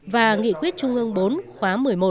và nghị quyết trung ương bốn khóa một mươi một